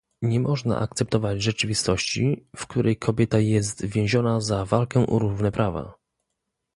Nie można akceptować rzeczywistości, w której kobieta jest więziona za walkę o równe prawa